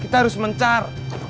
kita harus mencar